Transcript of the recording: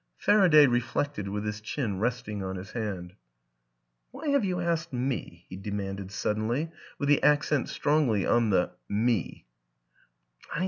Faraday reflected with his chin resting on his hand. " Why have you asked me?" he demanded suddenly with the accent strongly on the " me."